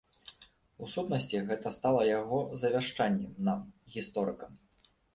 У сутнасці, гэта стала яго завяшчаннем нам, гісторыкам.